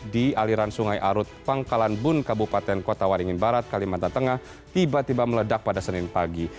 di aliran sungai arut pangkalan bun kabupaten kota waringin barat kalimantan tengah tiba tiba meledak pada senin pagi